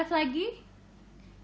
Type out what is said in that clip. biar bergabung dengan eyang titik